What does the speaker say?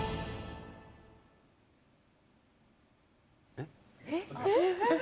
えっ？